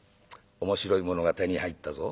面白いものが手に入ったぞ。